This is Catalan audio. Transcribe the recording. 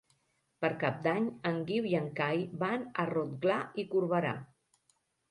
Per Cap d'Any en Guiu i en Cai van a Rotglà i Corberà.